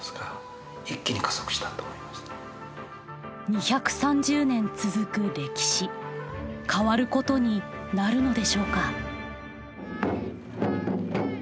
２３０年続く歴史変わることになるのでしょうか。